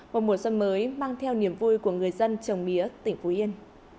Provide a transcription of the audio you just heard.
một mùa xuân mới mang theo niềm vui của người dân trồng mía tỉnh phú yên